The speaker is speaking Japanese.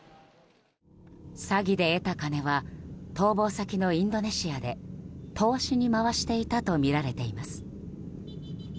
詐欺で得た金は逃亡先のインドネシアで投資に回していたとみられています。